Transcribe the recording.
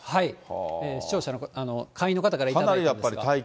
視聴者の会員の方から頂いたんですが。